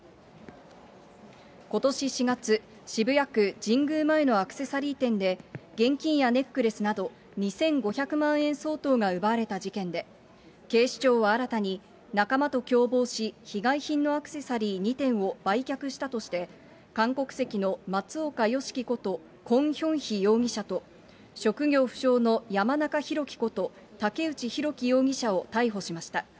ことし４月、渋谷区神宮前のアクセサリー店で、現金やネックレスなど２５００万円相当が奪われた事件で、警視庁は新たに仲間と共謀し被害品のアクセサリー２点を売却したとして、韓国籍の松尾かよしきことコン・ヒョンヒ容疑者と、職業不詳の山中ひろきこと、竹内ひろき容疑者を逮捕しました。